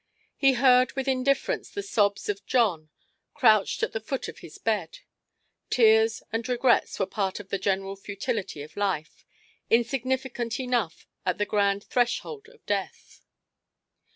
He heard with indifference the sobs of Jon, crouched at the foot of his bed. Tears and regrets were a part of the general futility of life, insignificant enough at the grand threshold of death.